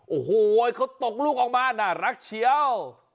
โอ้โหเขาตกลูกออกมาน่ารักเชียว